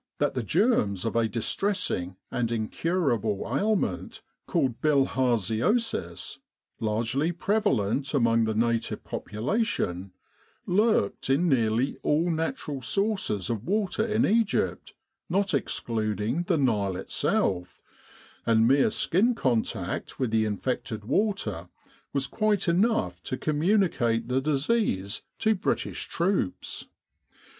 in Egypt the germs of a distressing and incurable ailment called bilharziosis, largely prevalent among the native population, lurked in nearly all natural sources of water in Egypt, not excluding the Nile itself; and mere skin contact with the infected water was quite enough to communicate the disease to British troops.